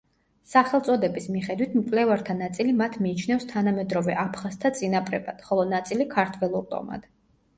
სახელწოდების მიხედვით მკვლევართა ნაწილი მათ მიიჩნევს თანამედროვე აფხაზთა წინაპრებად, ხოლო ნაწილი ქართველურ ტომად.